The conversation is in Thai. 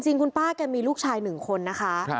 จริงคุณป้าแกมีลูกชาย๑คนนะคะ